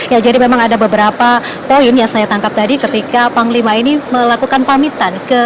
ya jadi memang ada beberapa poin yang saya tangkap tadi ketika panglima ini melakukan pamitan